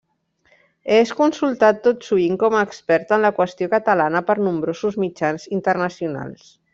És consultat tot sovint com a expert en la qüestió catalana per nombrosos mitjans internacionals.